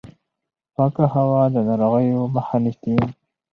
پاکه هوا د ناروغیو مخه نیسي.